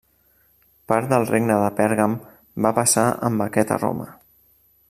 Part del regne de Pèrgam, va passar amb aquest a Roma.